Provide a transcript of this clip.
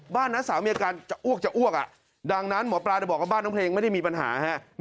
น้าสาวมีอาการจะอ้วกจะอ้วกดังนั้นหมอปลาจะบอกว่าบ้านน้องเพลงไม่ได้มีปัญหาฮะ